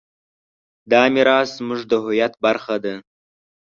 دا میراث زموږ د هویت برخه ده.